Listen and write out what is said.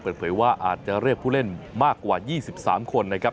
เปิดเผยว่าอาจจะเรียกผู้เล่นมากกว่า๒๓คนนะครับ